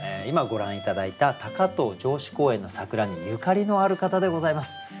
今ご覧頂いた高遠城址公園の桜にゆかりのある方でございます。